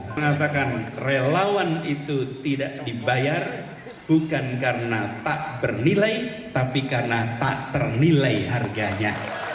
mengatakan relawan itu tidak dibayar bukan karena tak bernilai tapi karena tak ternilai harganya